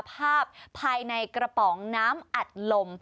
ภาพภายในกระป๋องน้ำอัดลม